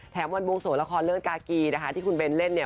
วันบวงสวงละครเรื่องกากีนะคะที่คุณเบนเล่นเนี่ย